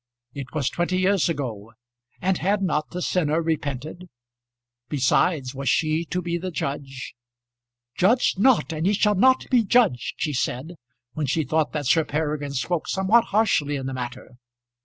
It was twenty years ago, and had not the sinner repented? Besides, was she to be the judge? "Judge not, and ye shall not be judged," she said, when she thought that Sir Peregrine spoke somewhat harshly in the matter.